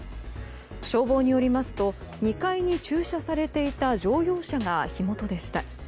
消防によりますと２階に駐車されていた乗用車が火元でした。